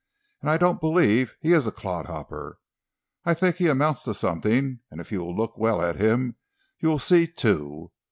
And I don't believe he is a clodhopper. I think he amounts to something; and if you will look well at him you will see, too.